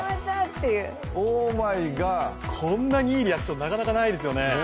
こんないいリアクションなかなかないですよね。